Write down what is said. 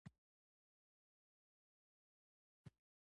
• بښنه کول تل خیر لري.